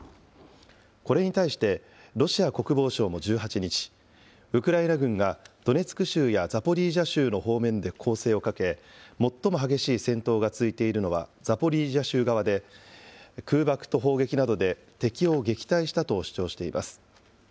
これに対して、ロシア国防省も１８日、ウクライナ軍がドネツク州やザポリージャ州の方面で攻勢をかけ、最も激しい戦闘が続いているのはザポリージャ州側で、空爆と砲撃などで敵を撃退したと主張しています。